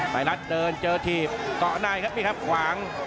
ไตรรัสเดินเจอทีบก้อน่ายครับมีครับขวาง